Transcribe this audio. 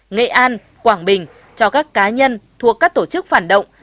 nghệ an quảng bình cho các cá nhân thuộc các tổ chức phản động